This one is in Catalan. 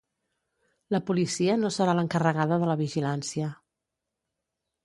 La policia no serà l'encarregada de la vigilància